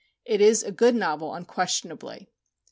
It is a good novel unquestionably.